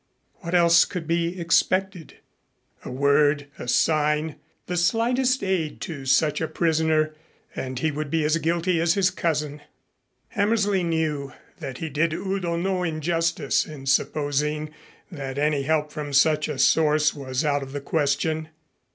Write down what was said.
What else could be expected? A word, a sign, the slightest aid to such a prisoner, and he would be as guilty as his cousin. Hammersley knew that he did Udo no injustice in supposing that any help from such a source was out of the question.